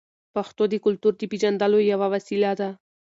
پښتو د کلتور د پیژندلو یوه وسیله ده.